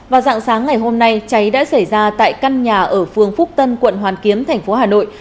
vào dạng sáng ngày hôm nay cháy đã xảy ra tại căn nhà ở phương phúc tân quận hoàn kiếm tp hà nội